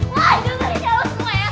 wah jangan jangan ya lo semua ya